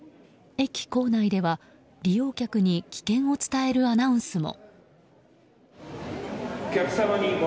駅構内では利用客に危険を伝えるアナウンスも。